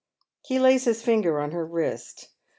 He lays his finger on her wrist.